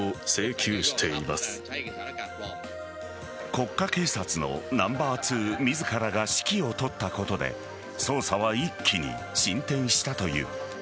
国家警察のナンバー２自らが指揮を執ったことで捜査は一気に進展したという。